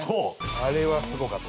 あれはすごかった。